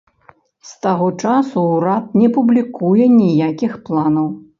З таго часу ўрад не публікуе ніякіх планаў.